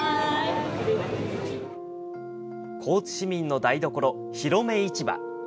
高知市民の台所、ひろめ市場。